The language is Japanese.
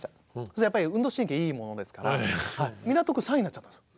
するとやっぱり運動神経いいものですから港区３位になっちゃったんですよ。